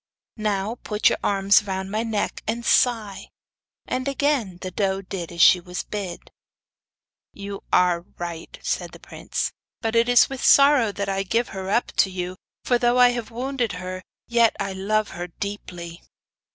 'Now put your arms round my neck, and sigh.' And again the doe did as she was bid. 'You are right,' said the prince; 'but it is with sorrow I give her up to you, for though I have wounded her yet I love her deeply.